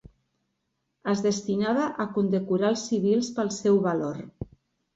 Es destinava a condecorar als civils pel seu valor.